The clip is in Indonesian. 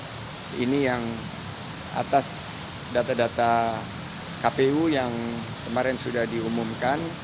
nah ini yang atas data data kpu yang kemarin sudah diumumkan